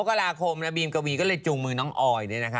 กลัววันนี้ไง